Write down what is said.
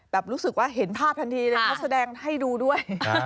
รู้สึกว่าเห็นภาพทันทีเลยเขาแสดงให้ดูด้วย